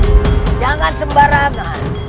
tidak akan ada orang sembarangan